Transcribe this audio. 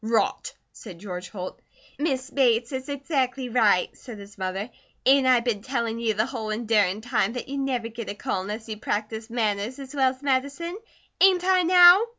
"Rot!" said George Holt. "Miss Bates is exactly right," said his mother. "Ain't I been tellin' you the whole endurin' time that you'd never get a call unless you practised manners as well as medicine? Ain't I, now?"